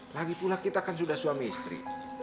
lagi pula kita kan sudah suami istri